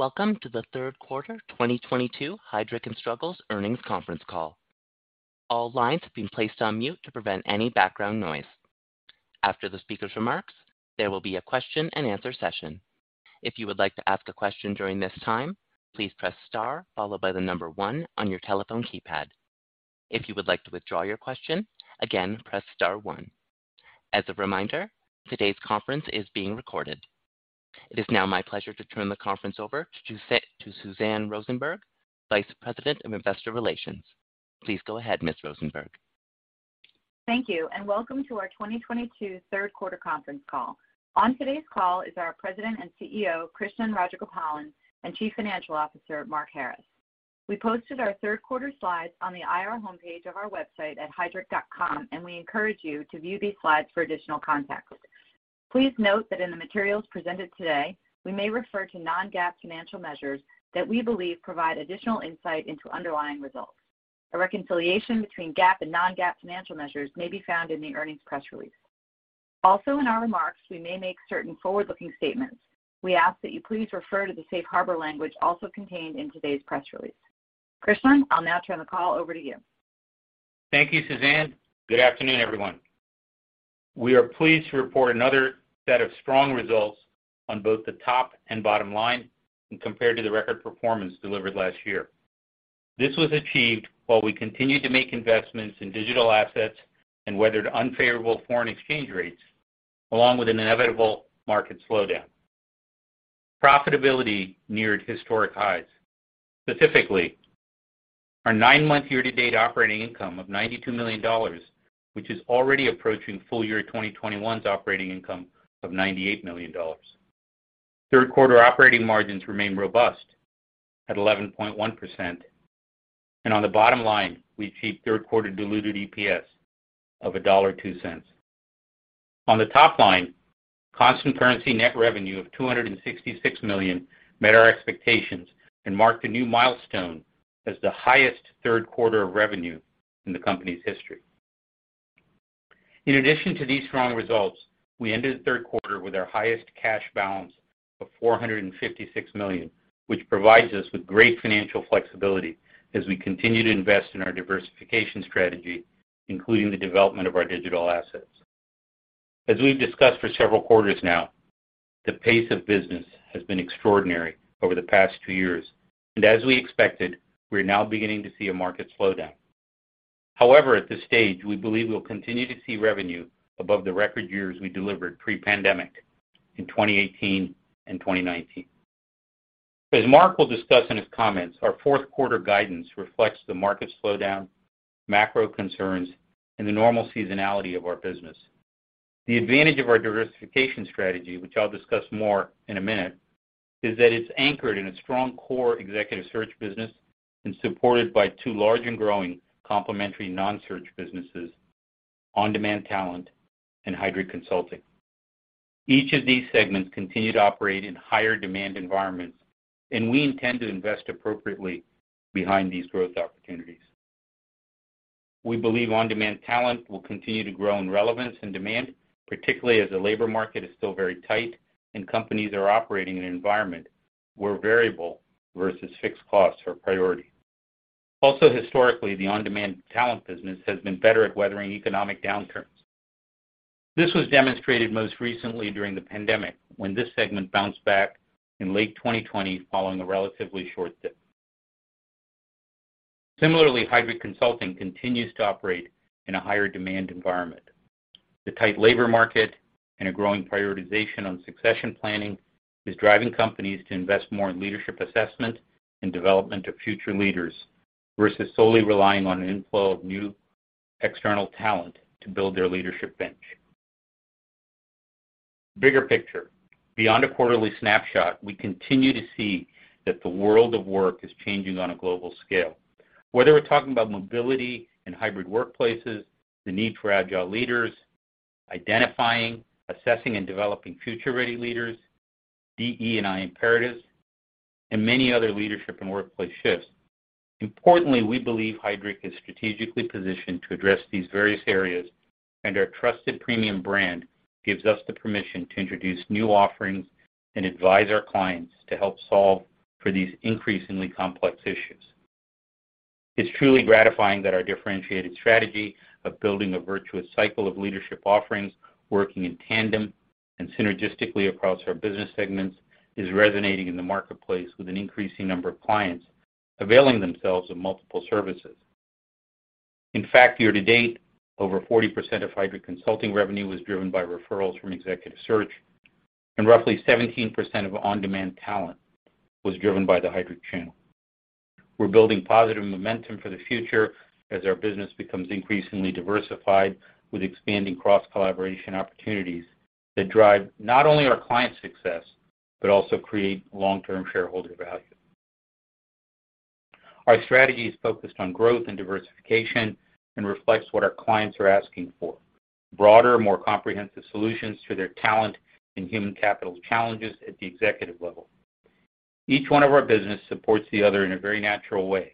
Welcome to the third quarter 2022 Heidrick & Struggles Earnings Conference Call. All lines have been placed on mute to prevent any background noise. After the speaker's remarks, there will be a question-and-answer session. If you would like to ask a question during this time, please press star followed by the number 1 on your telephone keypad. If you would like to withdraw your question, again, press star 1. As a reminder, today's conference is being recorded. It is now my pleasure to turn the conference over to Suzanne Rosenberg, Vice President of Investor Relations. Please go ahead, Ms. Rosenberg. Thank you, and welcome to our 2022 third quarter conference call. On today's call is our President and CEO, Krishnan Rajagopalan, and Chief Financial Officer, Mark Harris. We posted our third quarter slides on the IR homepage of our website at heidrick.com, and we encourage you to view these slides for additional context. Please note that in the materials presented today, we may refer to non-GAAP financial measures that we believe provide additional insight into underlying results. A reconciliation between GAAP and non-GAAP financial measures may be found in the earnings press release. Also, in our remarks, we may make certain forward-looking statements. We ask that you please refer to the safe harbor language also contained in today's press release. Krishnan, I'll now turn the call over to you. Thank you, Suzanne. Good afternoon, everyone. We are pleased to report another set of strong results on both the top and bottom line and compared to the record performance delivered last year. This was achieved while we continued to make investments in digital assets and weathered unfavorable foreign exchange rates, along with an inevitable market slowdown. Profitability neared historic highs, specifically our nine-month year-to-date operating income of $92 million, which is already approaching full year 2021's operating income of $98 million. Third quarter operating margins remain robust at 11.1%, and on the bottom line, we achieved third quarter diluted EPS of $1.02. On the top line, constant currency net revenue of $266 million met our expectations and marked a new milestone as the highest third quarter of revenue in the company's history. In addition to these strong results, we ended the third quarter with our highest cash balance of $456 million, which provides us with great financial flexibility as we continue to invest in our diversification strategy, including the development of our digital assets. As we've discussed for several quarters now, the pace of business has been extraordinary over the past two years, and as we expected, we're now beginning to see a market slowdown. However, at this stage, we believe we'll continue to see revenue above the record years we delivered pre-pandemic in 2018 and 2019. As Mark will discuss in his comments, our fourth quarter guidance reflects the market slowdown, macro concerns, and the normal seasonality of our business. The advantage of our diversification strategy, which I'll discuss more in a minute, is that it's anchored in a strong core Executive Search business and supported by two large and growing complementary non-search businesses, On-Demand Talent and Heidrick Consulting. Each of these segments continue to operate in higher demand environments, and we intend to invest appropriately behind these growth opportunities. We believe On-Demand Talent will continue to grow in relevance and demand, particularly as the labor market is still very tight and companies are operating in an environment where variable versus fixed costs are priority. Also, historically, the On-Demand Talent business has been better at weathering economic downturns. This was demonstrated most recently during the pandemic, when this segment bounced back in late 2020 following a relatively short dip. Similarly, Heidrick Consulting continues to operate in a higher demand environment. The tight labor market and a growing prioritization on succession planning is driving companies to invest more in leadership assessment and development of future leaders versus solely relying on an inflow of new external talent to build their leadership bench. Bigger picture. Beyond a quarterly snapshot, we continue to see that the world of work is changing on a global scale. Whether we're talking about mobility and hybrid workplaces, the need for agile leaders, identifying, assessing, and developing future-ready leaders, DE&I imperatives, and many other leadership and workplace shifts, importantly, we believe Heidrick is strategically positioned to address these various areas, and our trusted premium brand gives us the permission to introduce new offerings and advise our clients to help solve for these increasingly complex issues. It's truly gratifying that our differentiated strategy of building a virtuous cycle of leadership offerings, working in tandem and synergistically across our business segments, is resonating in the marketplace with an increasing number of clients availing themselves of multiple services. In fact, year to date, over 40% of Heidrick Consulting revenue was driven by referrals from Executive Search, and roughly 17% of On-Demand Talent was driven by the Heidrick channel. We're building positive momentum for the future as our business becomes increasingly diversified with expanding cross-collaboration opportunities that drive not only our clients' success, but also create long-term shareholder value. Our strategy is focused on growth and diversification and reflects what our clients are asking for, broader, more comprehensive solutions to their talent and human capital challenges at the executive level. Each one of our businesses supports the other in a very natural way.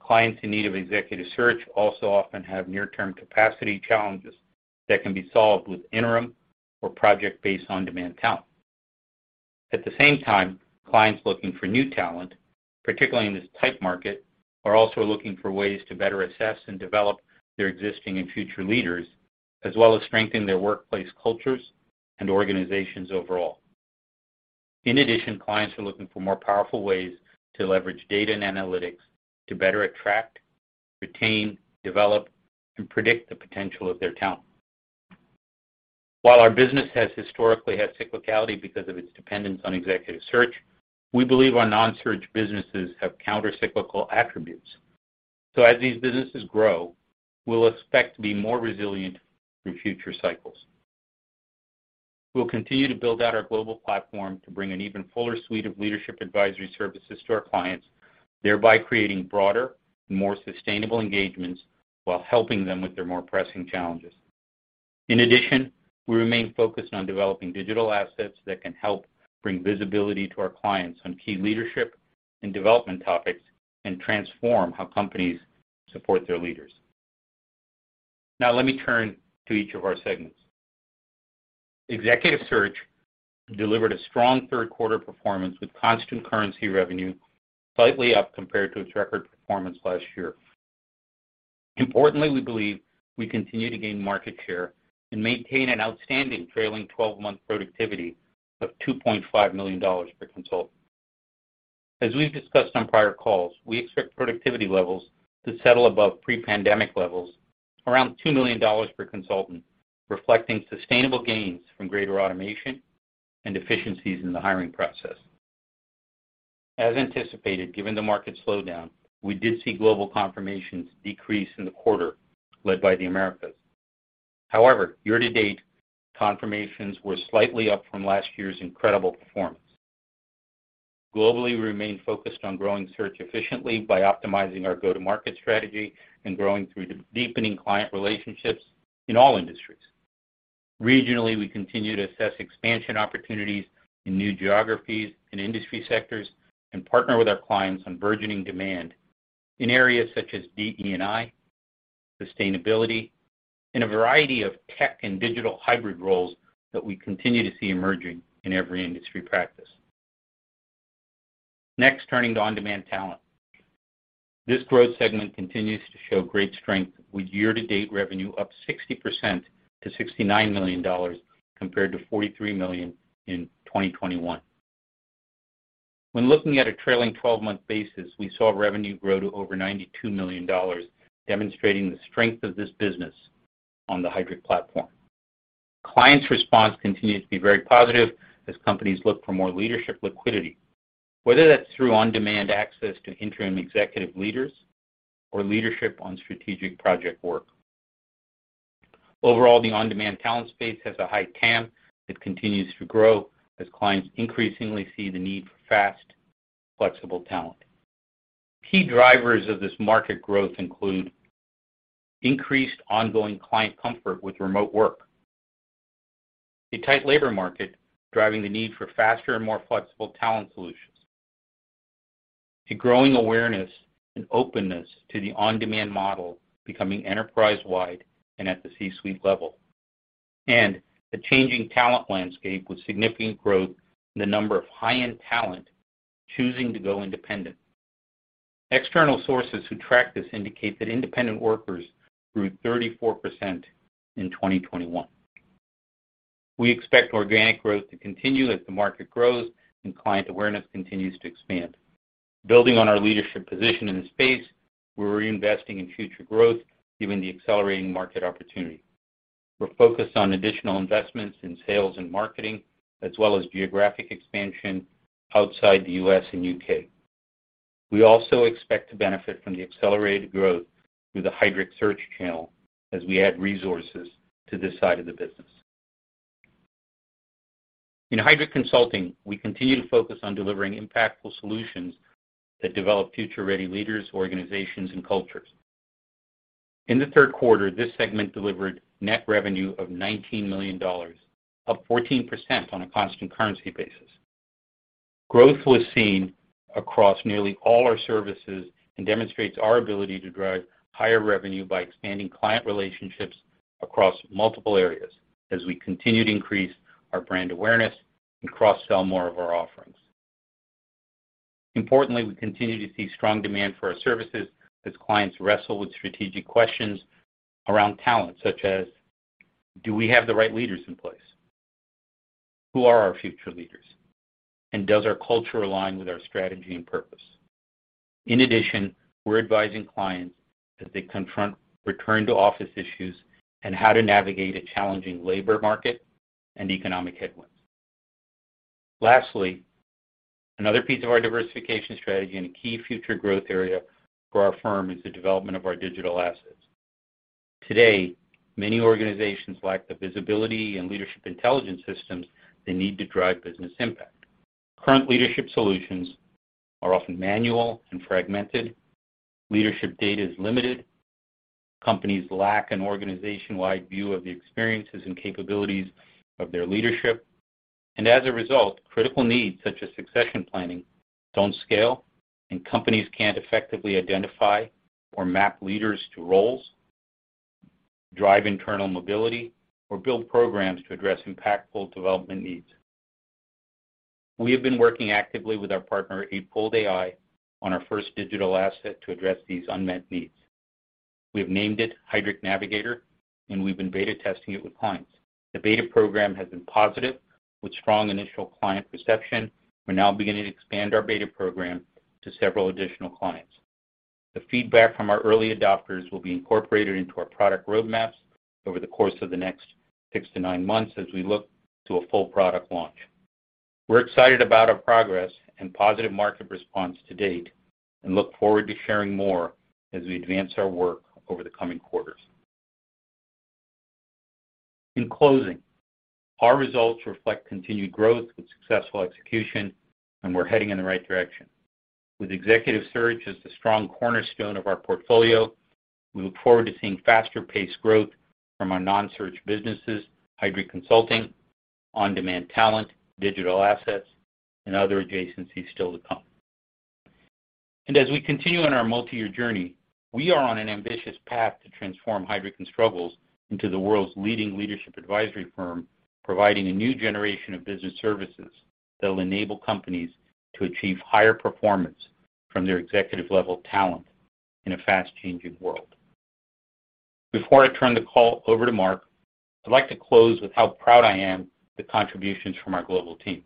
Clients in need of Executive Search also often have near-term capacity challenges that can be solved with interim or project-based On-Demand Talent. At the same time, clients looking for new talent, particularly in this tight market, are also looking for ways to better assess and develop their existing and future leaders, as well as strengthen their workplace cultures and organizations overall. In addition, clients are looking for more powerful ways to leverage data and analytics to better attract, retain, develop, and predict the potential of their talent. While our business has historically had cyclicality because of its dependence on Executive Search, we believe our non-search businesses have counter-cyclical attributes. As these businesses grow, we'll expect to be more resilient through future cycles. We'll continue to build out our global platform to bring an even fuller suite of leadership advisory services to our clients, thereby creating broader, more sustainable engagements while helping them with their more pressing challenges. In addition, we remain focused on developing digital assets that can help bring visibility to our clients on key leadership and development topics and transform how companies support their leaders. Now let me turn to each of our segments. Executive Search delivered a strong third quarter performance with constant currency revenue slightly up compared to its record performance last year. Importantly, we believe we continue to gain market share and maintain an outstanding trailing twelve-month productivity of $2.5 million per consultant. As we've discussed on prior calls, we expect productivity levels to settle above pre-pandemic levels, around $2 million per consultant, reflecting sustainable gains from greater automation and efficiencies in the hiring process. As anticipated, given the market slowdown, we did see global confirmations decrease in the quarter led by the Americas. However, year-to-date confirmations were slightly up from last year's incredible performance. Globally, we remain focused on growing search efficiently by optimizing our go-to-market strategy and growing through deepening client relationships in all industries. Regionally, we continue to assess expansion opportunities in new geographies and industry sectors and partner with our clients on burgeoning demand in areas such as DE&I, sustainability, and a variety of tech and digital hybrid roles that we continue to see emerging in every industry practice. Next, turning to On-Demand Talent. This growth segment continues to show great strength with year-to-date revenue up 60% to $69 million compared to $43 million in 2021. When looking at a trailing twelve-month basis, we saw revenue grow to over $92 million, demonstrating the strength of this business on the Heidrick platform. Clients' response continues to be very positive as companies look for more leadership liquidity, whether that's through on-demand access to interim executive leaders or leadership on strategic project work. Overall, the On-Demand Talent space has a high TAM that continues to grow as clients increasingly see the need for fast, flexible talent. Key drivers of this market growth include increased ongoing client comfort with remote work, a tight labor market driving the need for faster and more flexible talent solutions, a growing awareness and openness to the on-demand model becoming enterprise-wide and at the C-suite level, and a changing talent landscape with significant growth in the number of high-end talent choosing to go independent. External sources who track this indicate that independent workers grew 34% in 2021. We expect organic growth to continue as the market grows and client awareness continues to expand. Building on our leadership position in the space, we're reinvesting in future growth given the accelerating market opportunity. We're focused on additional investments in sales and marketing, as well as geographic expansion outside the U.S. and U.K. We also expect to benefit from the accelerated growth through the Heidrick Search channel as we add resources to this side of the business. In Heidrick Consulting, we continue to focus on delivering impactful solutions that develop future-ready leaders, organizations, and cultures. In the third quarter, this segment delivered net revenue of $19 million, up 14% on a constant currency basis. Growth was seen across nearly all our services and demonstrates our ability to drive higher revenue by expanding client relationships across multiple areas as we continue to increase our brand awareness and cross-sell more of our offerings. Importantly, we continue to see strong demand for our services as clients wrestle with strategic questions around talent, such as, "Do we have the right leaders in place?" "Who are our future leaders?" And, "Does our culture align with our strategy and purpose?" In addition, we're advising clients as they confront return-to-office issues and how to navigate a challenging labor market and economic headwinds. Lastly, another piece of our diversification strategy and a key future growth area for our firm is the development of our digital assets. Today, many organizations lack the visibility and leadership intelligence systems they need to drive business impact. Current leadership solutions are often manual and fragmented. Leadership data is limited. Companies lack an organization-wide view of the experiences and capabilities of their leadership. As a result, critical needs such as succession planning don't scale, and companies can't effectively identify or map leaders to roles, drive internal mobility, or build programs to address impactful development needs. We have been working actively with our partner, Eightfold AI, on our first digital asset to address these unmet needs. We have named it Heidrick Navigator, and we've been beta testing it with clients. The beta program has been positive with strong initial client perception. We're now beginning to expand our beta program to several additional clients. The feedback from our early adopters will be incorporated into our product roadmaps over the course of the next six to nine months as we look to a full product launch. We're excited about our progress and positive market response to date, and look forward to sharing more as we advance our work over the coming quarters. In closing, our results reflect continued growth with successful execution, and we're heading in the right direction. With Executive Search as the strong cornerstone of our portfolio, we look forward to seeing faster paced growth from our non-search businesses, Heidrick Consulting, On-Demand Talent, digital assets, and other adjacencies still to come. As we continue on our multi-year journey, we are on an ambitious path to transform Heidrick & Struggles into the world's leading leadership advisory firm, providing a new generation of business services that will enable companies to achieve higher performance from their executive level talent in a fast changing world. Before I turn the call over to Mark, I'd like to close with how proud I am with the contributions from our global team.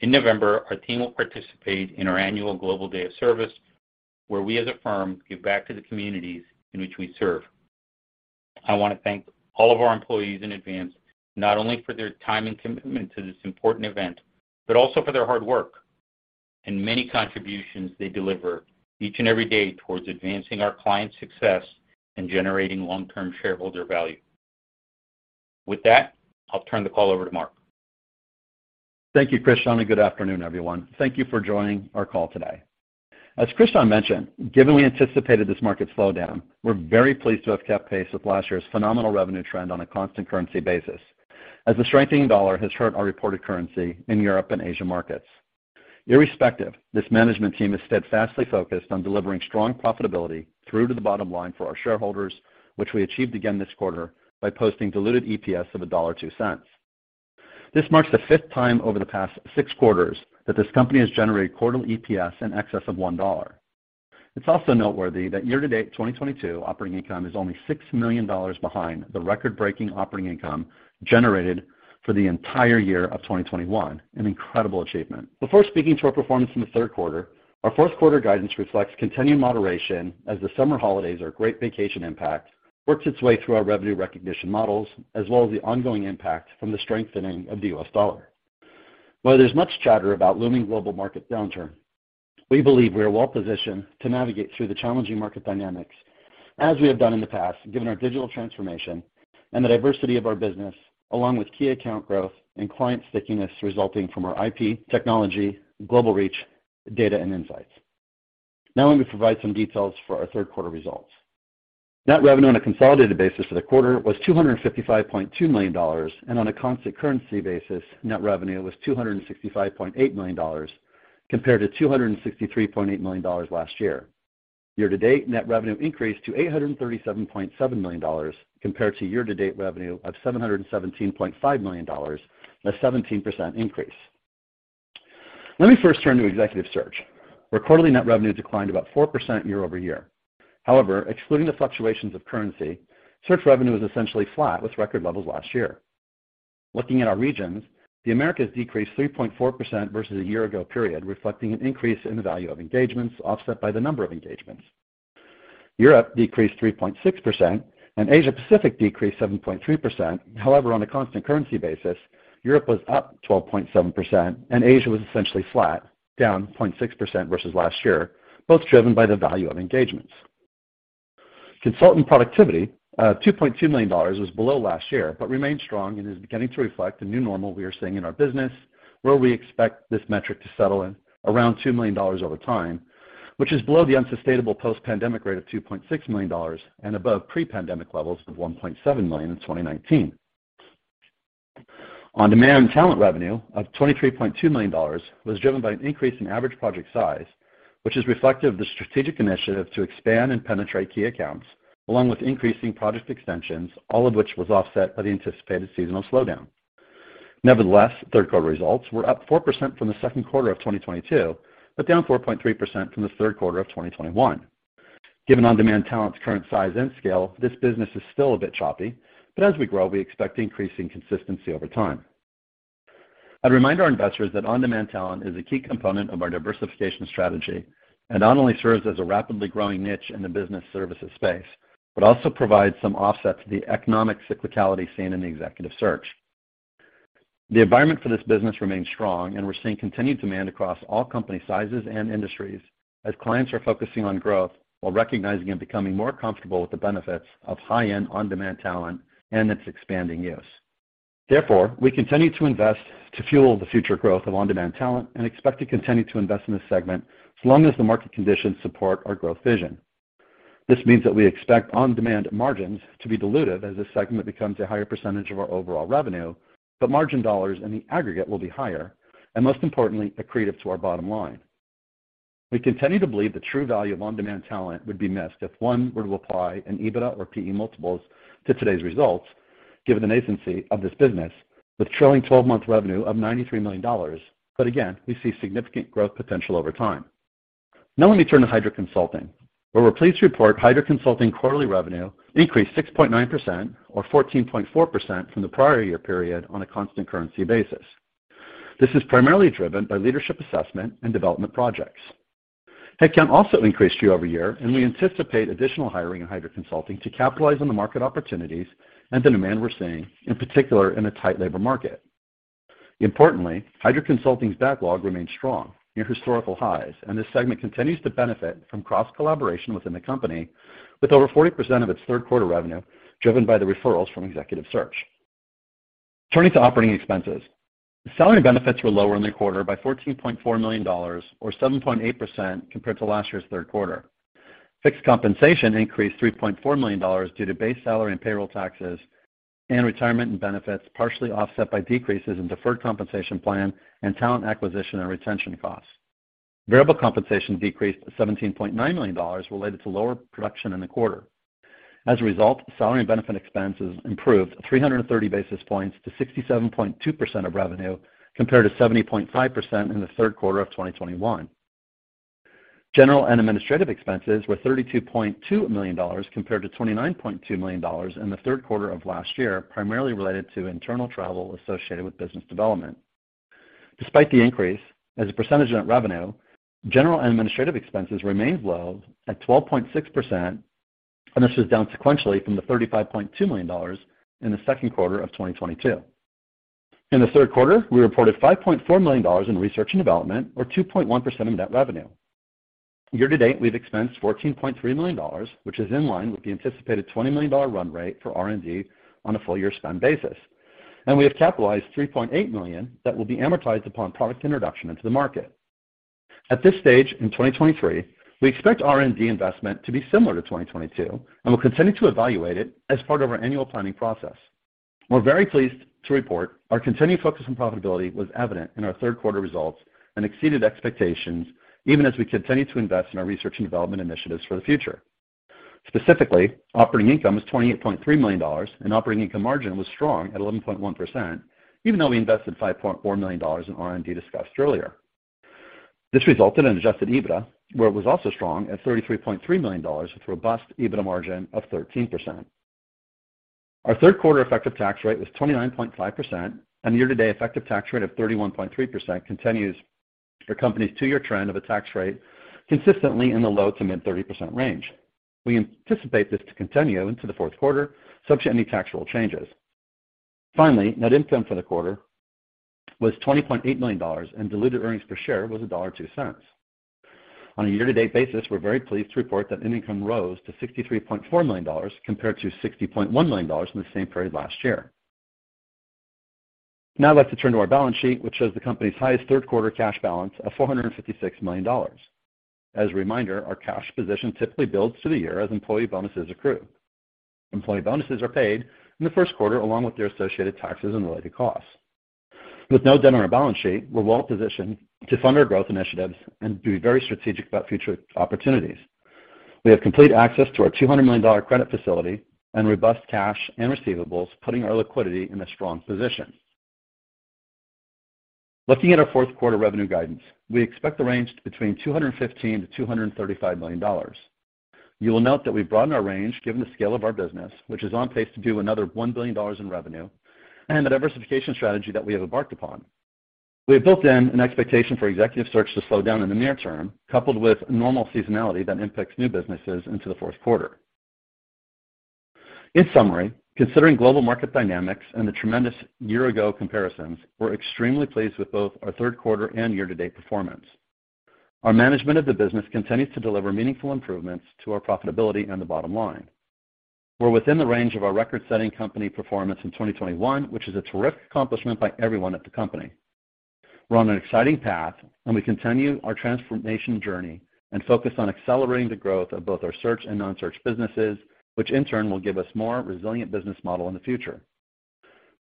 In November, our team will participate in our annual Global Day of Service, where we as a firm give back to the communities in which we serve. I want to thank all of our employees in advance, not only for their time and commitment to this important event, but also for their hard work and many contributions they deliver each and every day towards advancing our clients' success and generating long-term shareholder value. With that, I'll turn the call over to Mark. Thank you, Krishnan, and good afternoon, everyone. Thank you for joining our call today. As Krishnan mentioned, given we anticipated this market slowdown, we're very pleased to have kept pace with last year's phenomenal revenue trend on a constant currency basis, as the strengthening dollar has hurt our reported revenues in Europe and Asia markets. Irrespective, this management team is steadfastly focused on delivering strong profitability through to the bottom line for our shareholders, which we achieved again this quarter by posting diluted EPS of $1.02. This marks the fifth time over the past six quarters that this company has generated quarterly EPS in excess of $1. It's also noteworthy that year-to-date 2022 operating income is only $6 million behind the record-breaking operating income generated for the entire year of 2021, an incredible achievement. Before speaking to our performance in the third quarter, our fourth quarter guidance reflects continued moderation as the summer holidays or the Great Vacation impact works its way through our revenue recognition models, as well as the ongoing impact from the strengthening of the U.S. dollar. While there's much chatter about looming global market downturn, we believe we are well positioned to navigate through the challenging market dynamics as we have done in the past, given our digital transformation and the diversity of our business, along with key account growth and client stickiness resulting from our IP, technology, global reach, data, and insights. Now let me provide some details for our third quarter results. Net revenue on a consolidated basis for the quarter was $255.2 million, and on a constant currency basis, net revenue was $265.8 million, compared to $263.8 million last year. Year to date, net revenue increased to $837.7 million compared to year to date revenue of $717.5 million, a 17% increase. Let me first turn to Executive Search, where quarterly net revenue declined about 4% year-over-year. However, excluding the fluctuations of currency, search revenue is essentially flat with record levels last year. Looking at our regions, the Americas decreased 3.4% versus a year-ago period, reflecting an increase in the value of engagements offset by the number of engagements. Europe decreased 3.6%, and Asia Pacific decreased 7.3%. However, on a constant currency basis, Europe was up 12.7% and Asia was essentially flat, down 0.6% versus last year, both driven by the value of engagements. Consultant productivity, $2.2 million, was below last year, but remains strong and is beginning to reflect the new normal we are seeing in our business, where we expect this metric to settle in around $2 million over time, which is below the unsustainable post-pandemic rate of $2.6 million and above pre-pandemic levels of $1.7 million in 2019. On-Demand Talent revenue of $23.2 million was driven by an increase in average project size, which is reflective of the strategic initiative to expand and penetrate key accounts, along with increasing project extensions, all of which was offset by the anticipated seasonal slowdown. Nevertheless, third quarter results were up 4% from the second quarter of 2022, but down 4.3% from the third quarter of 2021. Given On-Demand Talent's current size and scale, this business is still a bit choppy, but as we grow, we expect increasing consistency over time. I'd remind our investors that On-Demand Talent is a key component of our diversification strategy and not only serves as a rapidly growing niche in the business services space, but also provides some offset to the economic cyclicality seen in the Executive Search. The environment for this business remains strong, and we're seeing continued demand across all company sizes and industries as clients are focusing on growth while recognizing and becoming more comfortable with the benefits of high-end on-demand talent and its expanding use. Therefore, we continue to invest to fuel the future growth of on-demand talent and expect to continue to invest in this segment as long as the market conditions support our growth vision. This means that we expect on-demand margins to be dilutive as this segment becomes a higher percentage of our overall revenue, but margin dollars in the aggregate will be higher and most importantly, accretive to our bottom line. We continue to believe the true value of on-demand talent would be missed if one were to apply an EBITDA or PE multiples to today's results given the nascency of this business with trailing twelve-month revenue of $93 million. We see significant growth potential over time. Now let me turn to Heidrick Consulting, where we're pleased to report Heidrick Consulting quarterly revenue increased 6.9% or 14.4% from the prior year period on a constant currency basis. This is primarily driven by leadership assessment and development projects. Headcount also increased year-over-year, and we anticipate additional hiring in Heidrick Consulting to capitalize on the market opportunities and the demand we're seeing, in particular in a tight labor market. Importantly, Heidrick Consulting's backlog remains strong, near historical highs, and this segment continues to benefit from cross-collaboration within the company with over 40% of its third quarter revenue driven by the referrals from Executive Search. Turning to operating expenses. Salary benefits were lower in the quarter by $14.4 million or 7.8% compared to last year's third quarter. Fixed compensation increased $3.4 million due to base salary and payroll taxes and retirement and benefits, partially offset by decreases in deferred compensation plan and talent acquisition and retention costs. Variable compensation decreased to $17.9 million related to lower production in the quarter. As a result, salary and benefit expenses improved 330 basis points to 67.2% of revenue, compared to 70.5% in the third quarter of 2021. General and administrative expenses were $32.2 million compared to $29.2 million in the third quarter of last year, primarily related to internal travel associated with business development. Despite the increase, as a percentage of net revenue, general and administrative expenses remained low at 12.6%, and this was down sequentially from the $35.2 million in the second quarter of 2022. In the third quarter, we reported $5.4 million in research and development or 2.1% of net revenue. Year to date, we've expensed $14.3 million, which is in line with the anticipated $20 million run rate for R&D on a full year spend basis. We have capitalized $3.8 million that will be amortized upon product introduction into the market. At this stage in 2023, we expect R&D investment to be similar to 2022, and we'll continue to evaluate it as part of our annual planning process. We're very pleased to report our continued focus on profitability was evident in our third quarter results and exceeded expectations even as we continue to invest in our research and development initiatives for the future. Specifically, operating income was $28.3 million, and operating income margin was strong at 11.1%, even though we invested $5.4 million in R&D discussed earlier. This resulted in adjusted EBITDA, where it was also strong at $33.3 million with robust EBITDA margin of 13%. Our third quarter effective tax rate was 29.5%, and year-to-date effective tax rate of 31.3% continues the company's two-year trend of a tax rate consistently in the low- to mid-30% range. We anticipate this to continue into the fourth quarter, subject to any tax rule changes. Finally, net income for the quarter was $20.8 million, and diluted earnings per share was $1.02. On a year-to-date basis, we're very pleased to report that net income rose to $63.4 million compared to $60.1 million in the same period last year. Now let's return to our balance sheet, which shows the company's highest third quarter cash balance of $456 million. As a reminder, our cash position typically builds through the year as employee bonuses accrue. Employee bonuses are paid in the first quarter, along with their associated taxes and related costs. With no debt on our balance sheet, we're well positioned to fund our growth initiatives and be very strategic about future opportunities. We have complete access to our $200 million credit facility and robust cash and receivables, putting our liquidity in a strong position. Looking at our fourth quarter revenue guidance, we expect the range between $215 million-$235 million. You will note that we've broadened our range given the scale of our business, which is on pace to do another $1 billion in revenue and the diversification strategy that we have embarked upon. We have built in an expectation for Executive Search to slow down in the near term, coupled with normal seasonality that impacts new businesses into the fourth quarter. In summary, considering global market dynamics and the tremendous year-ago comparisons, we're extremely pleased with both our third quarter and year-to-date performance. Our management of the business continues to deliver meaningful improvements to our profitability and the bottom line. We're within the range of our record-setting company performance in 2021, which is a terrific accomplishment by everyone at the company. We're on an exciting path, and we continue our transformation journey and focus on accelerating the growth of both our search and non-search businesses, which in turn will give us a more resilient business model in the future.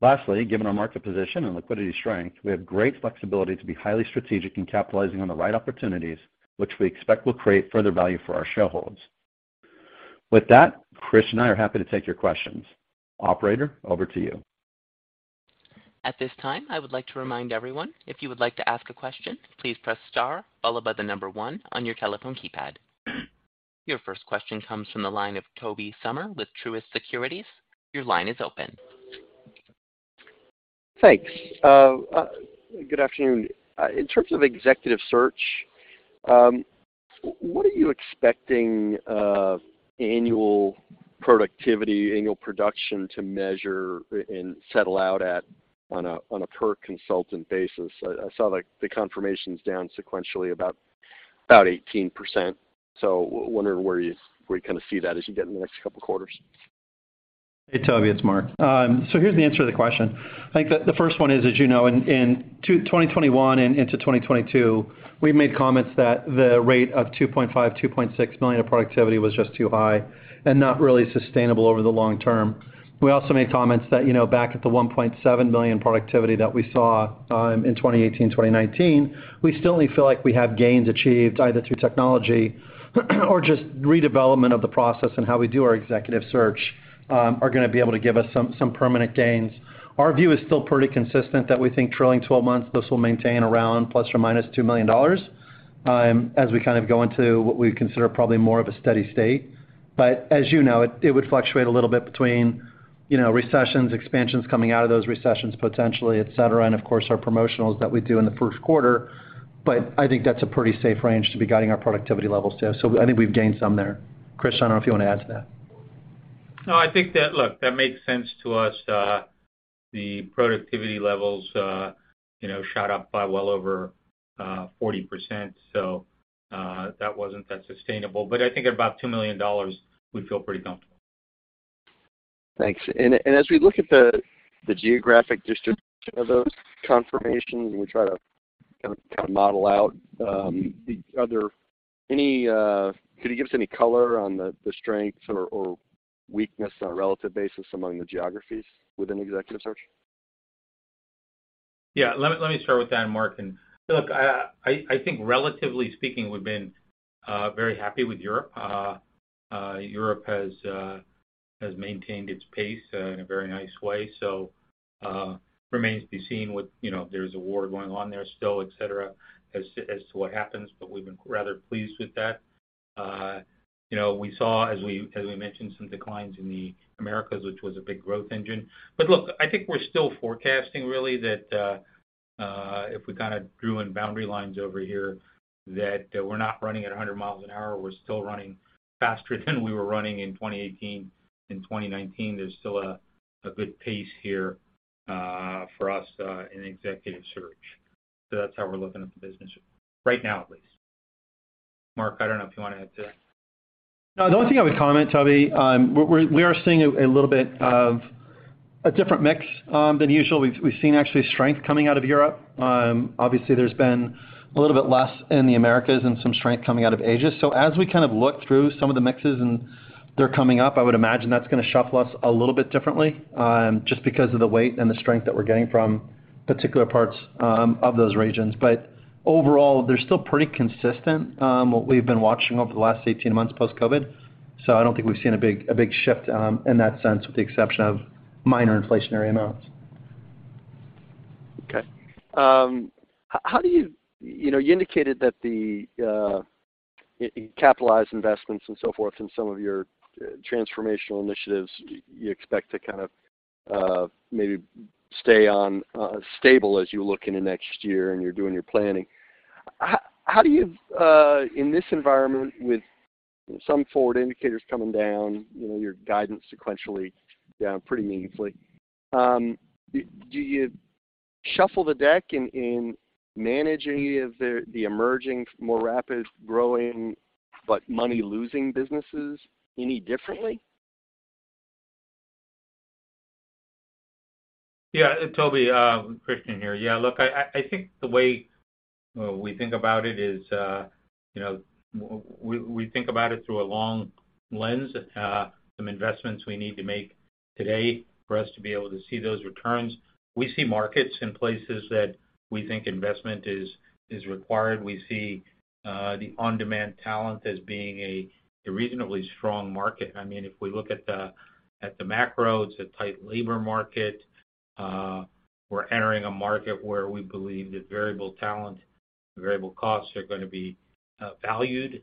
Lastly, given our market position and liquidity strength, we have great flexibility to be highly strategic in capitalizing on the right opportunities, which we expect will create further value for our shareholders. With that, Kris and I are happy to take your questions. Operator, over to you. At this time, I would like to remind everyone, if you would like to ask a question, please press star followed by the number one on your telephone keypad. Your first question comes from the line of Tobey Sommer with Truist Securities. Your line is open. Thanks. Good afternoon. In terms of Executive Search, what are you expecting annual productivity, annual production to measure and settle out at on a per consultant basis? I saw, like, the confirmations down sequentially about 18%. Wondering where you kind of see that as you get in the next couple quarters. Hey, Tobey, it's Mark. Here's the answer to the question. I think the first one is, as you know, in 2021 and into 2022, we've made comments that the rate of $2.5-$2.6 million of productivity was just too high and not really sustainable over the long term. We also made comments that, you know, back at the $1.7 billion productivity that we saw, in 2018, 2019, we still only feel like we have gains achieved either through technology or just redevelopment of the process and how we do our Executive Search, are gonna be able to give us some permanent gains. Our view is still pretty consistent that we think trailing twelve months, this will maintain around ±$2 million as we kind of go into what we consider probably more of a steady state. As you know, it would fluctuate a little bit between, you know, recessions, expansions coming out of those recessions, potentially, et cetera, and of course, our promotionals that we do in the first quarter. I think that's a pretty safe range to be guiding our productivity levels to. I think we've gained some there. Kris, I don't know if you wanna add to that. No, I think that makes sense to us. The productivity levels, you know, shot up by well over 40%, so that wasn't that sustainable. I think at about $2 million, we feel pretty comfortable. Thanks. As we look at the geographic distribution of those confirmations, and we try to kind of model out, could you give us any color on the strengths or weakness on a relative basis among the geographies within Executive Search? Yeah. Let me start with that, Mark. Look, I think relatively speaking, we've been very happy with Europe. Europe has maintained its pace in a very nice way. Remains to be seen with, you know, there's a war going on there still, et cetera, as to what happens, but we've been rather pleased with that. You know, we saw, as we mentioned, some declines in the Americas, which was a big growth engine. Look, I think we're still forecasting really that, if we kinda drew in boundary lines over here, that we're not running at a hundred miles an hour. We're still running faster than we were running in 2018 and 2019. There's still a good pace here for us in Executive Search. That's how we're looking at the business right now, at least. Mark, I don't know if you wanna add to that. No. The only thing I would comment, Tobey, we are seeing a little bit of a different mix than usual. We've seen actually strength coming out of Europe. Obviously there's been a little bit less in the Americas and some strength coming out of Asia. As we kind of look through some of the mixes and they're coming up, I would imagine that's gonna shuffle us a little bit differently, just because of the weight and the strength that we're getting from particular parts of those regions. Overall, they're still pretty consistent, what we've been watching over the last 18 months post-COVID. I don't think we've seen a big shift in that sense with the exception of minor inflationary amounts. Okay. How do you know, you indicated that the capitalized investments and so forth in some of your transformational initiatives, you expect to kind of maybe stay on stable as you look into next year and you're doing your planning. How do you in this environment with some forward indicators coming down, you know, your guidance sequentially down pretty meaningfully, do you shuffle the deck in managing any of the emerging, more rapid growing but money-losing businesses any differently? Yeah. Tobey, Krishnan here. Yeah, look, I think the way we think about it is, you know, we think about it through a long lens, some investments we need to make today for us to be able to see those returns. We see markets in places that we think investment is required. We see the On-Demand Talent as being a reasonably strong market. I mean, if we look at the macro, it's a tight labor market. We're entering a market where we believe that variable talent, variable costs are gonna be valued.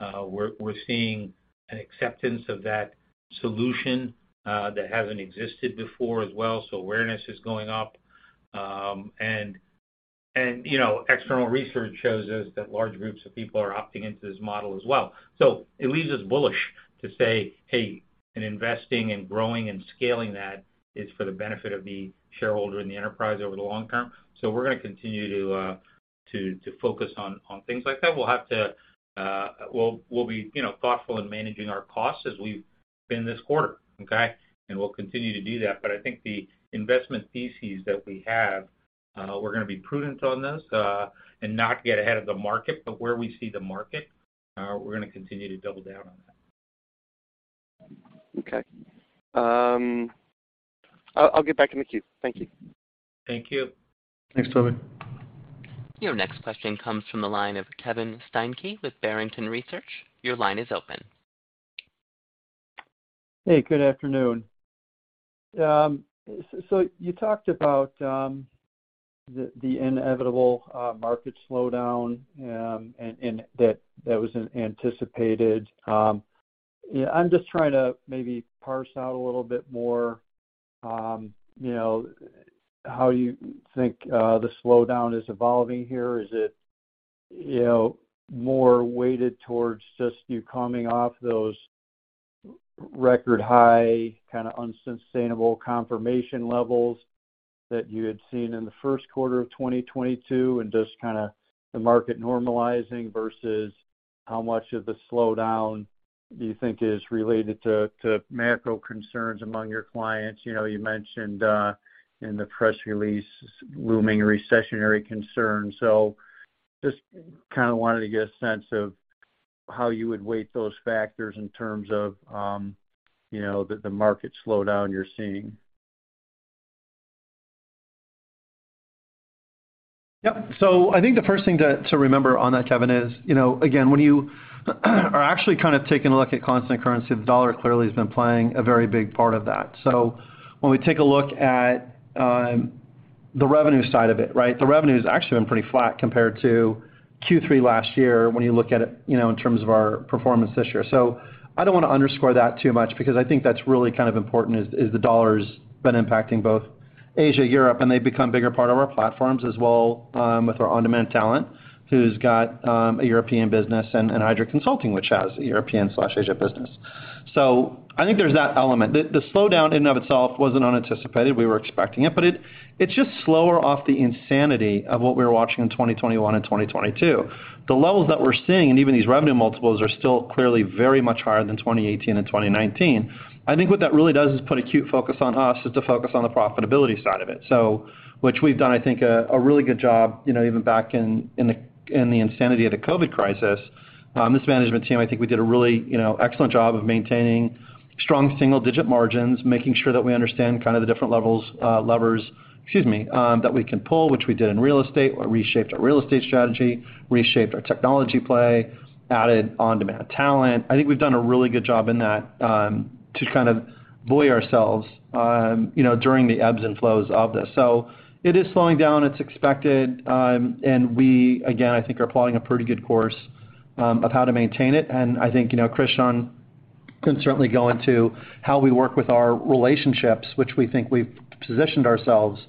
We're seeing an acceptance of that solution that hasn't existed before as well, so awareness is going up. You know, external research shows us that large groups of people are opting into this model as well. It leaves us bullish to say, "Hey, in investing and growing and scaling that is for the benefit of the shareholder and the enterprise over the long term." We're gonna continue to focus on things like that. We'll be, you know, thoughtful in managing our costs as we've been this quarter, okay? We'll continue to do that. I think the investment theses that we have, we're gonna be prudent on those, and not get ahead of the market, but where we see the market, we're gonna continue to double down on that. Okay. I'll get back in the queue. Thank you. Thank you. Thanks, Tobey. Your next question comes from the line of Kevin Steinke with Barrington Research. Your line is open. Hey, good afternoon. You talked about the inevitable market slowdown, and that was anticipated. You know, I'm just trying to maybe parse out a little bit more, you know, how you think the slowdown is evolving here. Is it, you know, more weighted towards just you coming off those record high, kind of unsustainable compensation levels that you had seen in the first quarter of 2022 and just kinda the market normalizing versus how much of the slowdown do you think is related to macro concerns among your clients? You know, you mentioned in the press release looming recessionary concerns. Just kind of wanted to get a sense of how you would weight those factors in terms of, you know, the market slowdown you're seeing. Yep. I think the first thing to remember on that, Kevin, is, you know, again, when you are actually kind of taking a look at constant currency, the dollar clearly has been playing a very big part of that. When we take a look at the revenue side of it, right? The revenue's actually been pretty flat compared to Q3 last year when you look at it, you know, in terms of our performance this year. I don't wanna underscore that too much because I think that's really kind of important, is the dollar's been impacting both Asia, Europe, and they've become bigger part of our platforms as well, with our On-Demand Talent, who's got a European business and Heidrick Consulting, which has a European/Asia business. I think there's that element. The slowdown in and of itself wasn't unanticipated. We were expecting it. It's just slower off the insanity of what we were watching in 2021 and 2022. The levels that we're seeing, and even these revenue multiples, are still clearly very much higher than 2018 and 2019. I think what that really does is put acute focus on us to focus on the profitability side of it, which we've done. I think a really good job, you know, even back in the insanity of the COVID crisis. This management team, I think we did a really, you know, excellent job of maintaining strong single-digit margins, making sure that we understand kind of the different levers that we can pull, which we did in real estate. We reshaped our real estate strategy, reshaped our technology play, added On-Demand Talent. I think we've done a really good job in that, to kind of buoy ourselves, you know, during the ebbs and flows of this. It is slowing down, it's expected, and we again, I think are plotting a pretty good course, of how to maintain it. I think, you know, Krishnan can certainly go into how we work with our relationships, which we think we've positioned ourselves,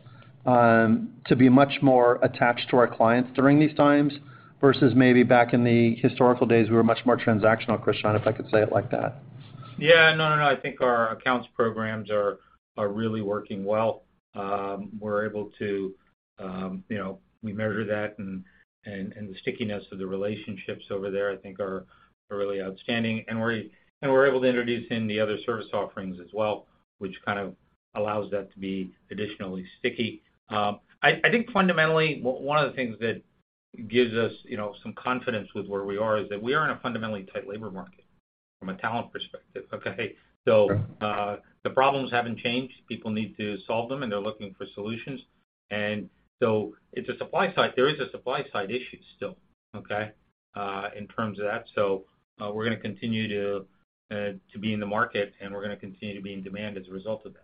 to be much more attached to our clients during these times versus maybe back in the historical days, we were much more transactional, Krishnan, if I could say it like that. Yeah. No. I think our accounts programs are really working well. We're able to, you know, we measure that and the stickiness of the relationships over there. I think are really outstanding. We're able to introduce in the other service offerings as well, which kind of allows that to be additionally sticky. I think fundamentally, one of the things that gives us, you know, some confidence with where we are is that we are in a fundamentally tight labor market from a talent perspective. Okay? The problems haven't changed. People need to solve them, and they're looking for solutions. It's a supply-side. There is a supply-side issue still, okay? In terms of that. We're gonna continue to be in the market, and we're gonna continue to be in demand as a result of that.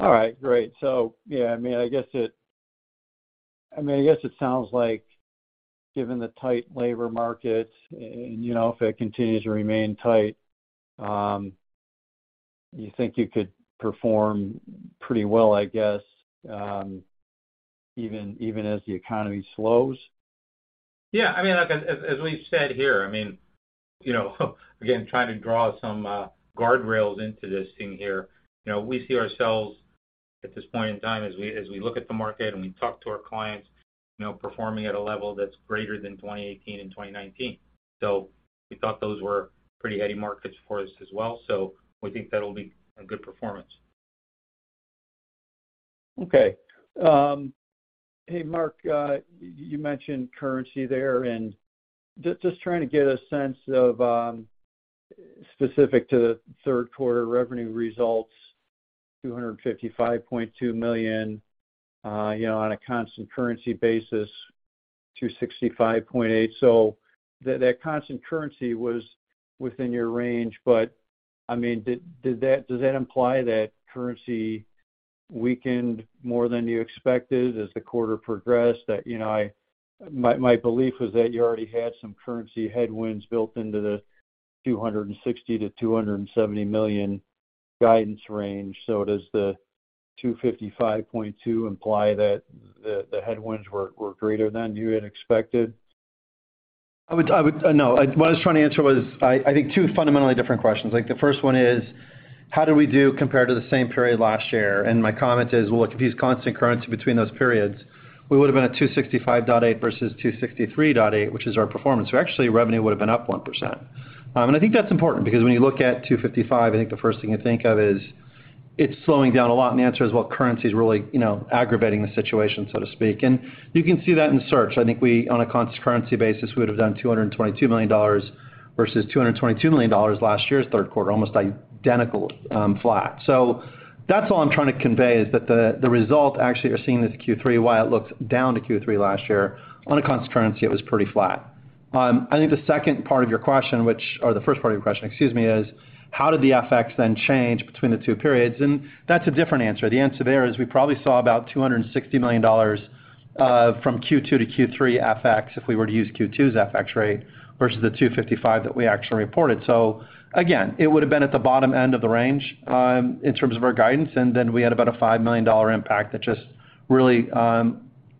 All right. Great. Yeah, I mean, I guess it sounds like given the tight labor market and, you know, if it continues to remain tight, you think you could perform pretty well, I guess, even as the economy slows. Yeah. I mean, like, as we've said here, I mean, you know, again, trying to draw some guardrails into this thing here. You know, we see ourselves at this point in time, as we look at the market and we talk to our clients, you know, performing at a level that's greater than 2018 and 2019. We thought those were pretty heady markets for us as well. We think that'll be a good performance. Okay. Hey, Mark, you mentioned currency there, and just trying to get a sense of, specific to the third quarter revenue results, $255.2 million, you know, on a constant currency basis, $265.8. That constant currency was within your range, but, I mean, did that imply that currency weakened more than you expected as the quarter progressed? You know, my belief was that you already had some currency headwinds built into the $260 million-$270 million guidance range. Does the $255.2 imply that the headwinds were greater than you had expected? No. What I was trying to answer was, I think two fundamentally different questions. Like, the first one is, how do we do compared to the same period last year? My comment is, well, if you use constant currency between those periods, we would've been at $265.8 versus $263.8, which is our performance. So actually, revenue would've been up 1%. I think that's important because when you look at $255, I think the first thing you think of is it's slowing down a lot, and the answer is, well, currency's really, you know, aggravating the situation, so to speak. You can see that in search. I think we, on a constant currency basis, we would've done $222 million versus $222 million last year's third quarter, almost identical, flat. That's all I'm trying to convey, is that the result actually you're seeing this Q3, while it looks down to Q3 last year, on a constant currency, it was pretty flat. I think the second part of your question, or the first part of your question, excuse me, is how did the FX then change between the two periods? That's a different answer. The answer there is we probably saw about $260 million from Q2 to Q3 FX if we were to use Q2's FX rate versus the $255 million that we actually reported. Again, it would've been at the bottom end of the range, in terms of our guidance, and then we had about a $5 million impact that just really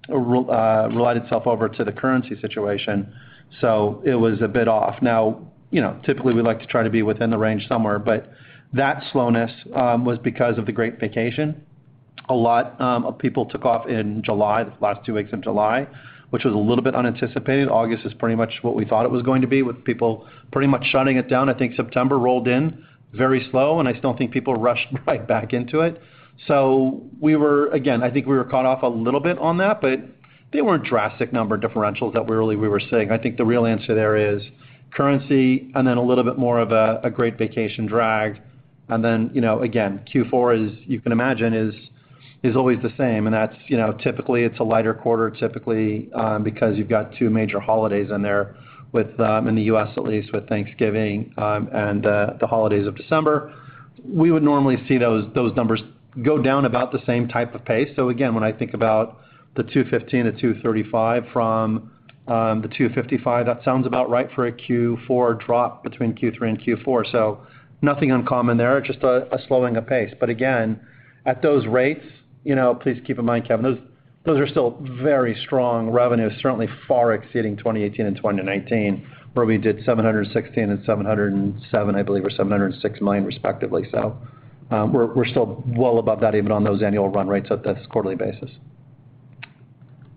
related to the currency situation, so it was a bit off. Now, you know, typically, we like to try to be within the range somewhere, but that slowness was because of the great vacation. A lot of people took off in July, the last two weeks of July, which was a little bit unanticipated. August is pretty much what we thought it was going to be, with people pretty much shutting it down. I think September rolled in very slow, and I just don't think people rushed right back into it. Again, I think we were caught off a little bit on that, but they weren't drastic number differentials that we were seeing. I think the real answer there is currency and then a little bit more of a greater vacation drag. You know, again, Q4 is, you can imagine, always the same. That's, you know, typically, it's a lighter quarter, typically, because you've got two major holidays in there in the U.S., at least, with Thanksgiving, and the holidays of December. We would normally see those numbers go down about the same type of pace. Again, when I think about the $215-$235 from the $255, that sounds about right for a Q4 drop between Q3 and Q4. Nothing uncommon there, just a slowing of pace. Again, at those rates, you know, please keep in mind, Kevin, those are still very strong revenues, certainly far exceeding 2018 and 2019, where we did $716 million and $707 million, I believe, or $706 million, respectively. We're still well above that even on those annual run rates at this quarterly basis.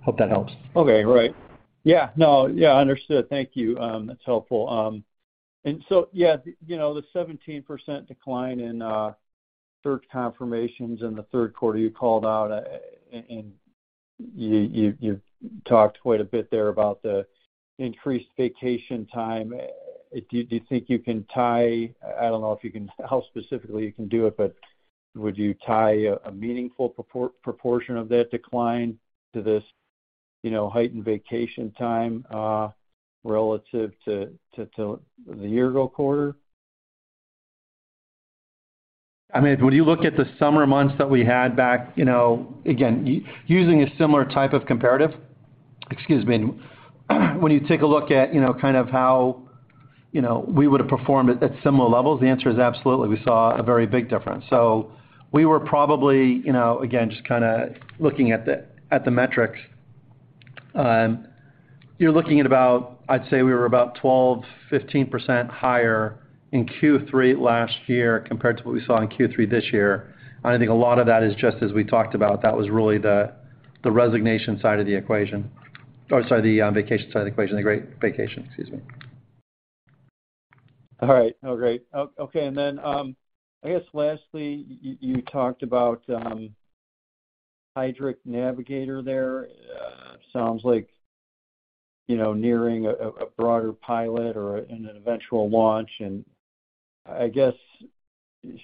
Hope that helps. Okay, great. Yeah. No, yeah, understood. Thank you. That's helpful. Yeah, you know, the 17% decline in search confirmations in the third quarter you called out and you talked quite a bit there about the increased vacation time. Do you think you can tie, I don't know if you can, how specifically you can do it, but would you tie a meaningful proportion of that decline to this, you know, heightened vacation time relative to the year-ago quarter? I mean, when you look at the summer months that we had back, you know, again, using a similar type of comparative, excuse me, when you take a look at, you know, kind of how, you know, we would have performed at similar levels, the answer is absolutely. We saw a very big difference. We were probably, you know, again, just kinda looking at the metrics, you're looking at about, I'd say we were about 12-15% higher in Q3 last year compared to what we saw in Q3 this year. I think a lot of that is just as we talked about, that was really the resignation side of the equation. Or sorry, the vacation side of the equation. The great vacation, excuse me. All right. Oh, great. Okay. I guess lastly, you talked about Heidrick Navigator there. Sounds like, you know, nearing a broader pilot or an eventual launch. I guess,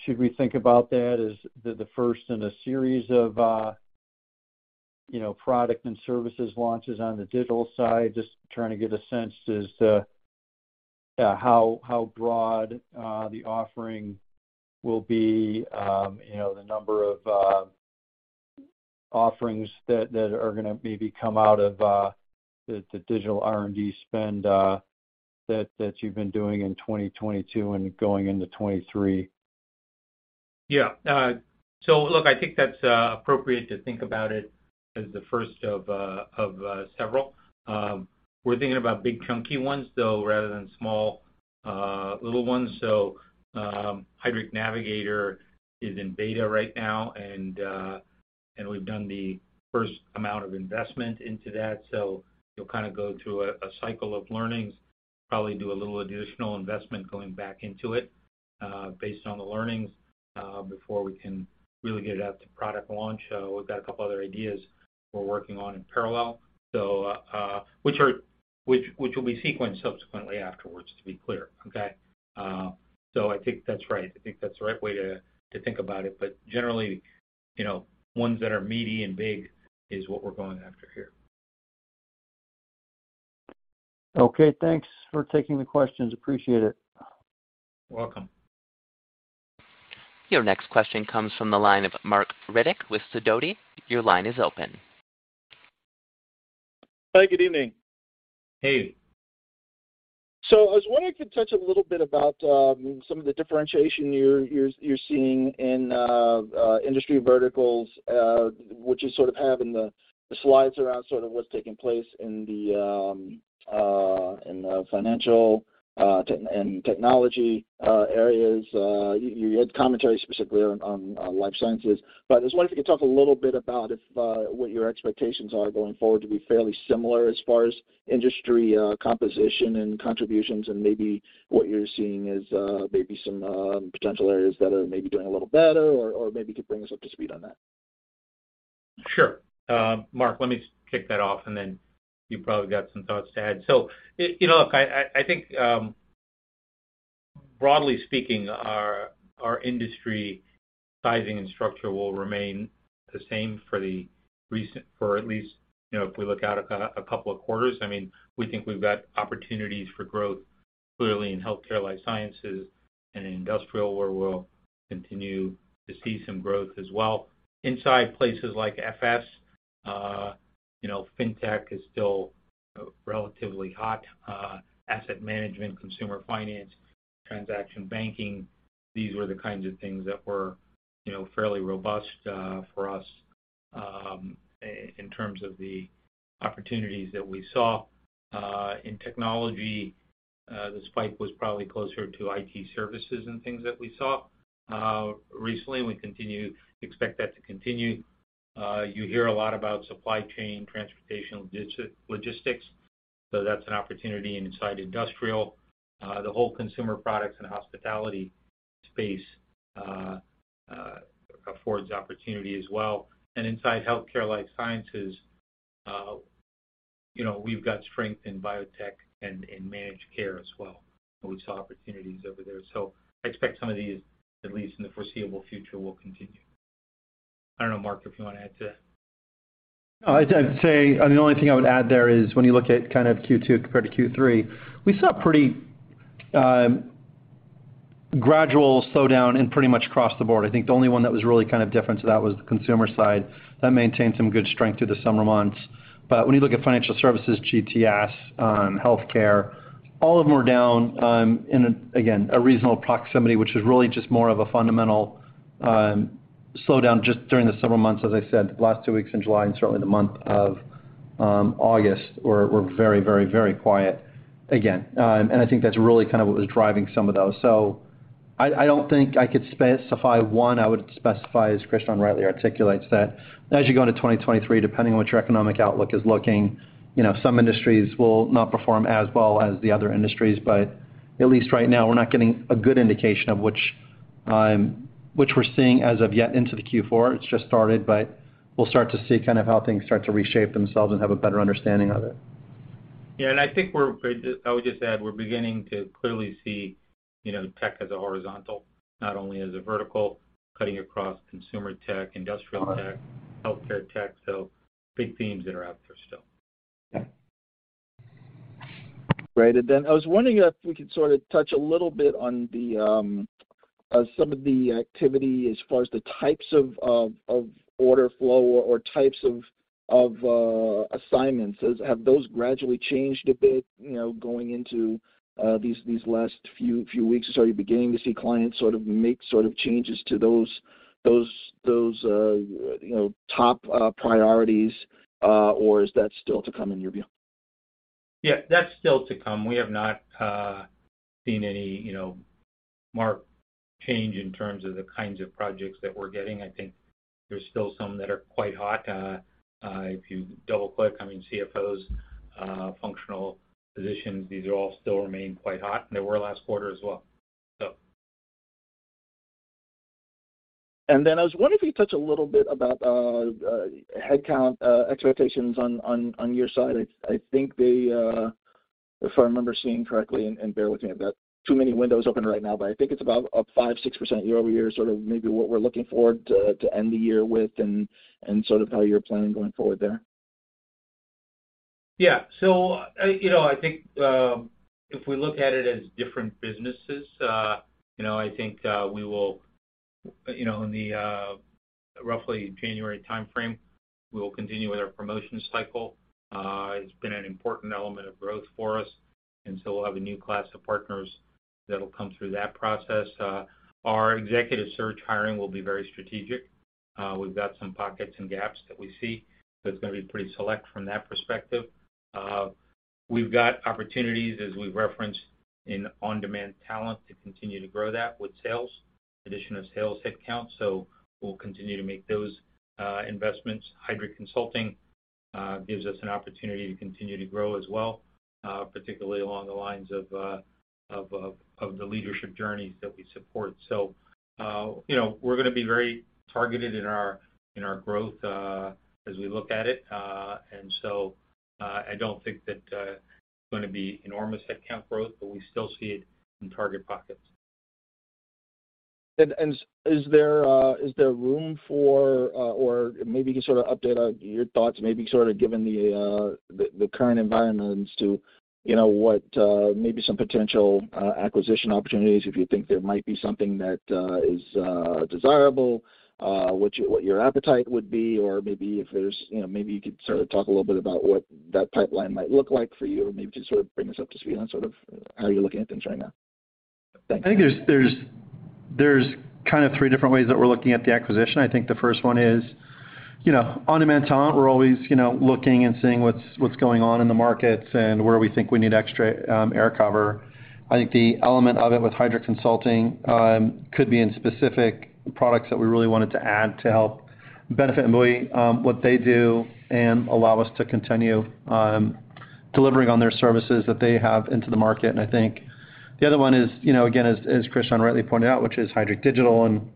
should we think about that as the first in a series of, you know, product and services launches on the digital side? Just trying to get a sense as to how broad the offering will be, you know, the number of offerings that are gonna maybe come out of the digital R&D spend that you've been doing in 2022 and going into 2023. Yeah. Look, I think that's appropriate to think about it as the first of several. We're thinking about big chunky ones, though, rather than small little ones. Heidrick Navigator is in beta right now, and we've done the first amount of investment into that. You'll kind of go through a cycle of learnings, probably do a little additional investment going back into it, based on the learnings, before we can really get it out to product launch. We've got a couple other ideas we're working on in parallel, which will be sequenced subsequently afterwards, to be clear. Okay? I think that's right. I think that's the right way to think about it. Generally, you know, ones that are meaty and big is what we're going after here. Okay. Thanks for taking the questions. Appreciate it. You're welcome. Your next question comes from the line of Marc Riddick with Sidoti. Your line is open. Hi, good evening. Hey. I was wondering if you could touch a little bit about some of the differentiation you're seeing in industry verticals, which you sort of have in the slides around sort of what's taking place in the financial and technology areas. You had commentary specifically on life sciences. I was wondering if you could talk a little bit about if what your expectations are going forward to be fairly similar as far as industry composition and contributions and maybe what you're seeing as maybe some potential areas that are maybe doing a little better or maybe could bring us up to speed on that. Sure. Mark, let me just kick that off and then you probably got some thoughts to add. You know, I think, broadly speaking, our industry sizing and structure will remain the same for at least, you know, if we look out a couple of quarters. I mean, we think we've got opportunities for growth, clearly in healthcare, life sciences, and in industrial, where we'll continue to see some growth as well. Inside places like FS, you know, fintech is still relatively hot. Asset management, consumer finance, transaction banking, these were the kinds of things that were You know, fairly robust for us in terms of the opportunities that we saw. In technology, the spike was probably closer to IT services and things that we saw recently. We expect that to continue. You hear a lot about supply chain, transportation, logistics, so that's an opportunity inside industrial. The whole consumer products and hospitality space affords opportunity as well. Inside healthcare life sciences, you know, we've got strength in biotech and in managed care as well. We saw opportunities over there. I expect some of these, at least in the foreseeable future, will continue. I don't know, Mark, if you wanna add to that. I'd say, I mean, the only thing I would add there is when you look at kind of Q2 compared to Q3, we saw pretty gradual slowdown in pretty much across the board. I think the only one that was really kind of different to that was the consumer side. That maintained some good strength through the summer months. When you look at financial services, GTS, healthcare, all of them are down in, again, a reasonable proximity, which is really just more of a fundamental slowdown just during the summer months, as I said. The last two weeks in July and certainly the month of August were very quiet again. I think that's really kind of what was driving some of those. I don't think I could specify one. I would specify, as Krishnan rightly articulates, that as you go into 2023, depending on what your economic outlook is looking, you know, some industries will not perform as well as the other industries. At least right now we're not getting a good indication of which we're seeing as of yet into the Q4. It's just started, but we'll start to see kind of how things start to reshape themselves and have a better understanding of it. I would just add, we're beginning to clearly see, you know, tech as a horizontal, not only as a vertical, cutting across consumer tech, industrial tech, healthcare tech. Big themes that are out there still. Yeah. Great. I was wondering if we could sort of touch a little bit on some of the activity as far as the types of order flow or types of assignments. Have those gradually changed a bit, you know, going into these last few weeks? Are you beginning to see clients sort of make sort of changes to those, you know, top priorities, or is that still to come in your view? Yeah, that's still to come. We have not seen any, you know, marked change in terms of the kinds of projects that we're getting. I think there's still some that are quite hot. If you double-click, I mean, CFOs, functional positions, these all still remain quite hot. They were last quarter as well, so. I was wondering if you could touch a little bit about headcount expectations on your side. I think if I remember seeing correctly, and bear with me, I've got too many windows open right now. I think it's about up 5-6% year-over-year, sort of maybe what we're looking forward to to end the year with and sort of how you're planning going forward there. You know, I think if we look at it as different businesses, you know, I think we will. You know, in the roughly January timeframe, we will continue with our promotion cycle. It's been an important element of growth for us, we'll have a new class of partners that'll come through that process. Our Executive Search hiring will be very strategic. We've got some pockets and gaps that we see, so it's gonna be pretty select from that perspective. We've got opportunities, as we referenced, in On-Demand Talent to continue to grow that with sales, addition of sales headcount. We'll continue to make those investments. Heidrick Consulting gives us an opportunity to continue to grow as well, particularly along the lines of the leadership journeys that we support. You know, we're gonna be very targeted in our growth as we look at it. I don't think that it's gonna be enormous headcount growth, but we still see it in target pockets. Is there room for, or maybe you can sort of update on your thoughts, maybe sort of given the current environment as to, you know, what, maybe some potential acquisition opportunities, if you think there might be something that is desirable, what your appetite would be or maybe if there's, you know, maybe you could sort of talk a little bit about what that pipeline might look like for you or maybe just sort of bring us up to speed on sort of how you're looking at things right now. Thank you. I think there's kind of three different ways that we're looking at the acquisition. I think the first one is, you know, On-Demand Talent, we're always, you know, looking and seeing what's going on in the markets and where we think we need extra, air cover. I think the element of it with Heidrick Consulting could be in specific products that we really wanted to add to help benefit and buoy what they do and allow us to continue delivering on their services that they have into the market. I think the other one is, you know, again, as Krishnan rightly pointed out, which is Heidrick Digital, and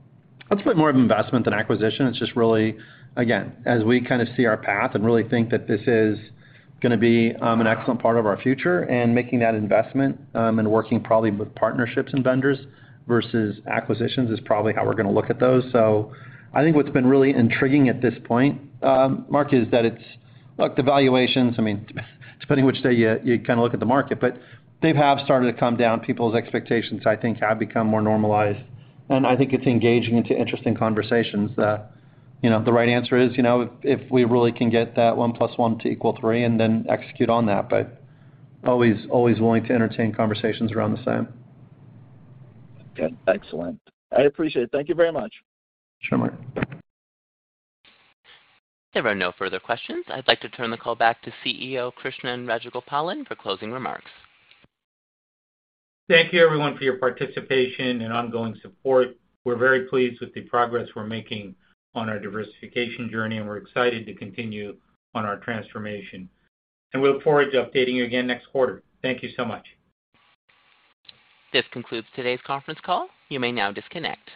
that's a bit more of investment than acquisition. It's just really, again, as we kind of see our path and really think that this is gonna be an excellent part of our future, and making that investment and working probably with partnerships and vendors versus acquisitions is probably how we're gonna look at those. I think what's been really intriguing at this point, Mark, is that it's. Look, the valuations, I mean, depending which day you kind of look at the market, but they have started to come down. People's expectations, I think, have become more normalized. I think it's engaging into interesting conversations that, you know, the right answer is, you know, if we really can get that one plus one to equal three and then execute on that. Always willing to entertain conversations around the same. Okay. Excellent. I appreciate it. Thank you very much. Sure, Mark. There are no further questions. I'd like to turn the call back to CEO, Krishnan Rajagopalan, for closing remarks. Thank you everyone for your participation and ongoing support. We're very pleased with the progress we're making on our diversification journey, and we're excited to continue on our transformation. We look forward to updating you again next quarter. Thank you so much. This concludes today's conference call. You may now disconnect.